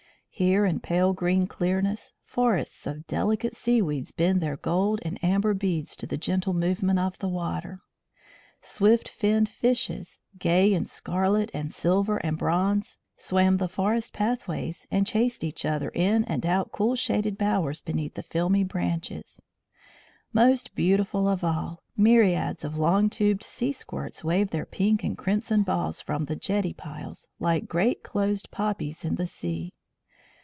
Here, in pale green clearness, forests of delicate seaweeds bent their gold and amber beads to the gentle movement of the water; swift finned fishes, gay in scarlet and silver and bronze, swam the forest pathways and chased each other in and out cool shaded bowers beneath the filmy branches; most beautiful of all, myriads of long tubed sea squirts waved their pink and crimson balls from the jetty piles, like great closed poppies in the sea.